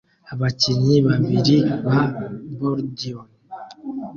Abakinnyi babiri ba bordion